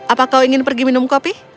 apa kau ingin pergi minum kopi